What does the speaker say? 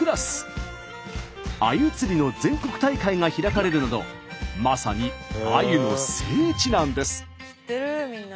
あゆ釣りの全国大会が開かれるなどまさにあゆの聖地なんです。